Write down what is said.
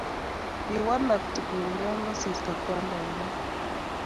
kiwalak tuguk ya kosirto kwanda ng'wany